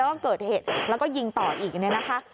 แล้วก็เกิดเหตุแล้วก็ยิงต่ออีก